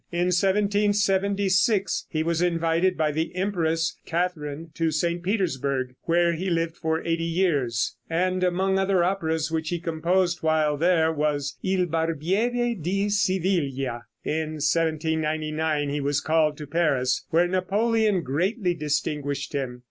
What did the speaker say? In 1776 he was invited by the Empress Catharine to St. Petersburg, where he lived for eight years, and among other operas which he composed while there was "Il Barbiere di Siviglia." In 1799 he was called to Paris, where Napoleon very greatly distinguished him.